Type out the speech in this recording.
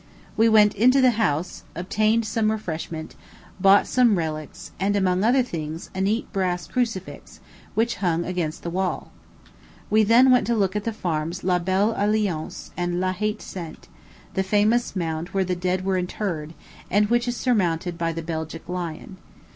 We went into the house, obtained some refreshment, bought some relics, and, among other things, a neat brass crucifix, which hung against the wall. We then, went to look at the farms La Belle Alliance and La Haye Sainte the famous mound where the dead were interred, and which is surmounted by the Belgic lion.